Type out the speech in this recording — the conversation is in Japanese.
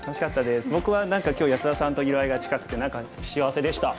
僕は何か今日安田さんと色合いが近くて幸せでした。